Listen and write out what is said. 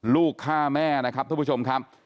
ลูกฆ่าแม่นะครับทุกผู้ชมครับ